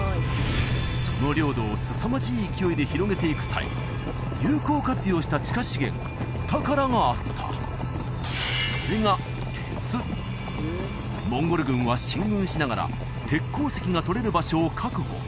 その領土をすさまじい勢いで広げていく際有効活用した地下資源お宝があったそれが鉄モンゴル軍は進軍しながら鉄鉱石がとれる場所を確保